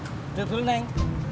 beritahu dulu neng